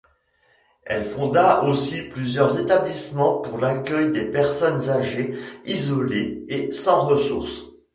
Elle fonda aussi plusieurs établissements pour l'accueil des personnes âgées isolées et sans ressources.